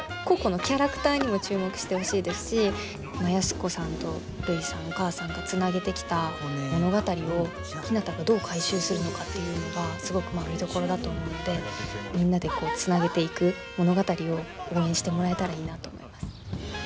個々のキャラクターにも注目してほしいですし安子さんとるいさんお母さんがつなげてきた物語をひなたがどう回収するのかっていうのがすごく見どころだと思うのでみんなでつなげていく物語を応援してもらえたらいいなと思います。